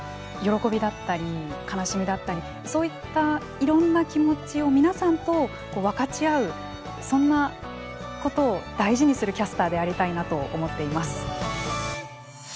喜びだったり悲しみだったりそういったいろんな気持ちを皆さんと分かち合うそんなことを大事にするキャスターでありたいなと思っています。